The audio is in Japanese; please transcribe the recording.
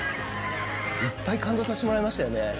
いっぱい感動させてもらいましたね。